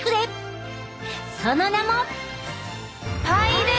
その名も！